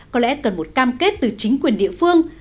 có lẽ cần một cam kết từ chính quyền địa phương